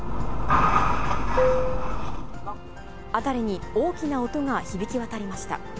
辺りに大きな音が響き渡りました。